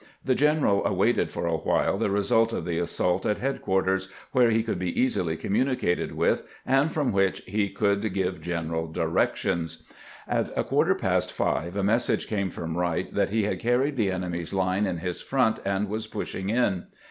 The general awaited for a while the result of the assault at head quarters, where he could be easily communicated with, and from which he could give general directions. At a quarter past five a message came from "Wright that he had carried the enemy's line in his front and was pushing in.